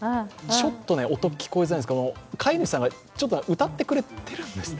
ちょっとね、音、聞こえないんですけど飼い主さんが歌ってくれてるんですね。